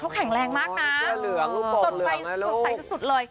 เขาแข็งแรงมากนะสดไปสดใสสุดเลย